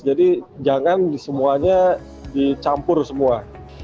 jadi jangan di semuanya dicampur semua